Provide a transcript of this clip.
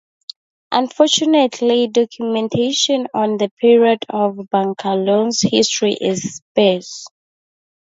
Unfortunately, documentation on this period of Bangalore's history is sparse.